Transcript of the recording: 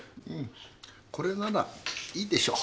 これならいいでしょう。